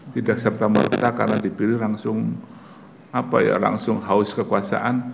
tidak serta merta karena dipilih langsung haus kekuasaan